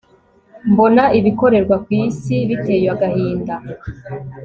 mbona ibikorerwa ku isi biteye agahinda